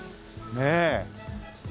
ねえ。